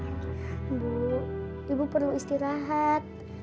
ibu ibu perlu istirahat